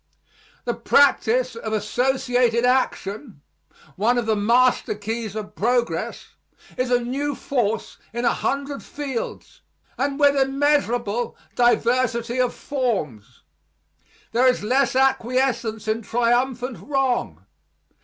The practise of associated action one of the master keys of progress is a new force in a hundred fields, and with immeasurable diversity of forms. There is less acquiescence in triumphant wrong.